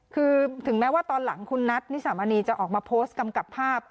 คือถึงแม้ว่าตอนหลังคุณนัทนิสามณีจะออกมาโพสต์กำกับภาพ